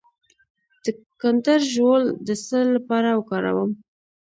د کندر ژوول د څه لپاره وکاروم؟